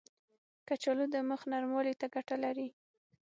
کچالو د مخ نرموالي ته ګټه لري.